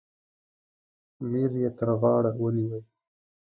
میر یې تر غاړه ونیوی.